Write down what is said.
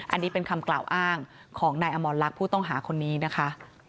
อันนี้เป็นคำกล่าวอ้างของนายอมรลักษณ์ผู้ต้องหาคนนี้นะคะ